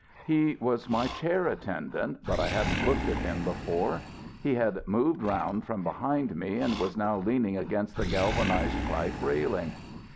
He was my chair attendant, but I hadn't looked at him before. He had moved round from behind me and was now leaning against the galvanized pipe railing.